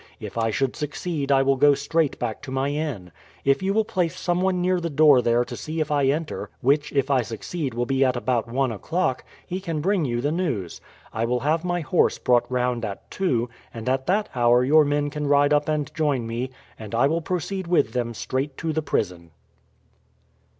If I should succeed I will go straight back to my inn. If you will place someone near the door there to see if I enter, which if I succeed will be about one o'clock, he can bring you the news. I will have my horse brought round at two, and at that hour your men can ride up and join me, and I will proceed with them straight to the prison."